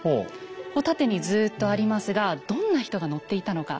こう縦にずっとありますがどんな人が乗っていたのか。